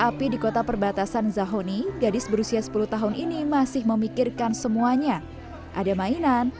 api di kota perbatasan zahoni gadis berusia sepuluh tahun ini masih memikirkan semuanya ada mainan